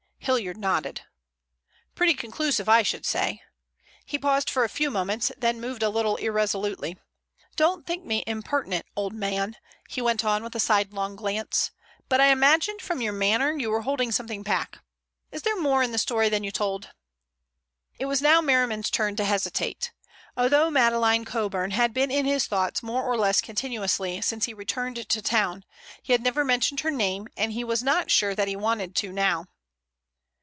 Hilliard nodded. "Pretty conclusive, I should say." He paused for a few moments, then moved a little irresolutely. "Don't think me impertinent, old man," he went on with a sidelong glance, "but I imagined from your manner you were holding something back. Is there more in the story than you told?" It was now Merriman's turn to hesitate. Although Madeleine Coburn had been in his thoughts more or less continuously since he returned to town, he had never mentioned her name, and he was not sure that he wanted to now.